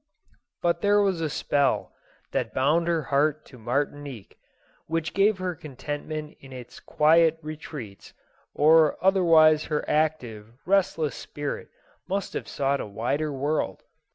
But there was a spell that bound her heart to Mar tinique, which gave her contentment in its quiet re treats, or otherwise her active, restless spirit must have sought a wider world.